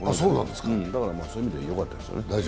だから、そういう意味ではよかったですよね。